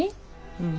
うん。